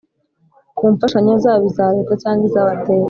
ku mfashanyo zaba iza Leta cyangwa iz abatera